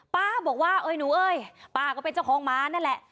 ป้าบอกว่าเอ้ยหนูเอ้ยป้าก็เป็นเจ้าของหมานั่นแหละ